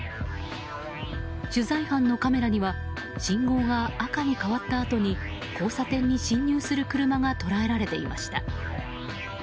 取材班のカメラには信号が赤に変わったあとに交差点に進入する車が捉えられていました。